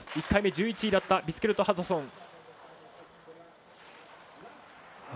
１回目１１位だったビスケルトハドソン。